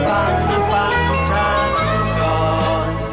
ฟังหรือฟังฉันก่อน